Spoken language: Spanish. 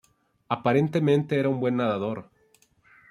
Aparentemente era un buen nadador.